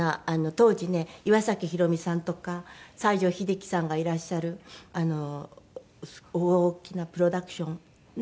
当時ね岩崎宏美さんとか西城秀樹さんがいらっしゃる大きなプロダクションの。